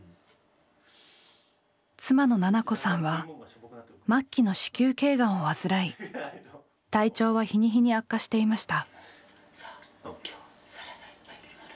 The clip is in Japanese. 妻の奈々子さんは末期の子宮頸がんを患い体調は日に日に悪化していました。